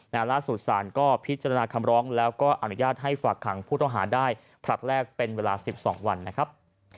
ล่าสุดศาลก็พิจารณาคำร้องแล้วก็อนุญาตให้ฝากขังผู้ต้องหาได้ผลัดแรกเป็นเวลา๑๒วันนะครับ